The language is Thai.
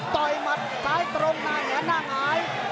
ต่อยหมัดซ้ายตรงหน้าแหงหน้าหมาย